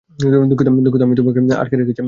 দুঃখিত আমি তোমাকে আটকে রেখেছিলাম।